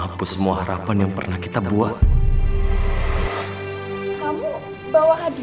aku udah out gerah banget